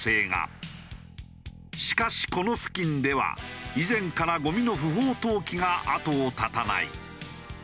しかしこの付近では以前からゴミの不法投棄が後を絶たない。